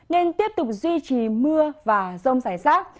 nên tiếp tục duy trì mưa và rông rải rác